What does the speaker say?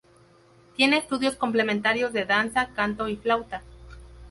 Tiene estudios complementarios de danza, canto y flauta.